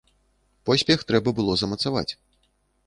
Поспех трэба было замацаваць.